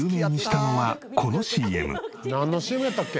なんのＣＭやったっけ？